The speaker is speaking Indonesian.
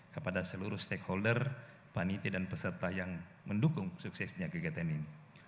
kepada seluruh stakeholder paniti dan peserta yang mendukung suksesnya kegiatan ini